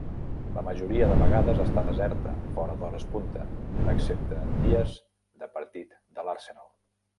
La majoria de vegades està deserta fora d'hores punta, excepte en dies de partit de l'Arsenal.